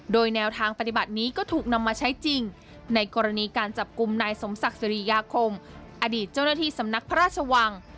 โดยแนวทางปฏิบัตินี้ก็ถูกนำมาใช้จริงในกรณีการจับกลุ่มนายสมศักดิ์สิริยาคมอดีตเจ้าหน้าที่สำนักพระราชวัง